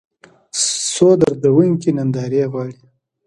څو دردونکې نندارې غواړي